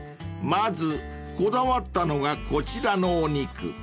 ［まずこだわったのがこちらのお肉］